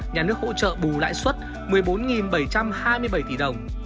nhà nước hỗ trợ bù lại xuất một mươi bốn bảy trăm hai mươi bảy tỷ đồng